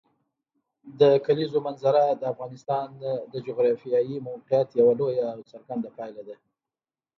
د کلیزو منظره د افغانستان د جغرافیایي موقیعت یوه لویه او څرګنده پایله ده.